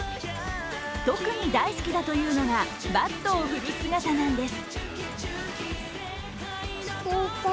特に大好きだというのがバットを振る姿なんです。